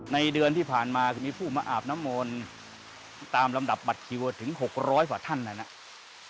เดือนที่ผ่านมามีผู้มาอาบน้ำมนต์ตามลำดับบัตรคิวถึง๖๐๐กว่าท่านนะครับ